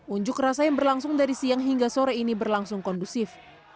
unjuk rasa yang berlangsung dari siang hingga sore ini berlangsung kondusif